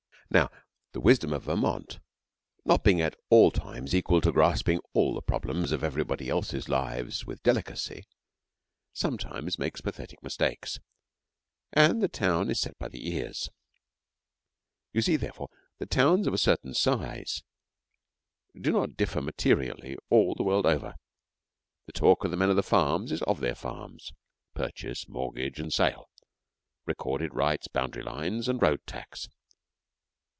Now, the wisdom of Vermont, not being at all times equal to grasping all the problems of everybody else's life with delicacy, sometimes makes pathetic mistakes, and the town is set by the ears. You will see, therefore, that towns of a certain size do not differ materially all the world over. The talk of the men of the farms is of their farms purchase, mortgage, and sale, recorded rights, boundary lines, and road tax.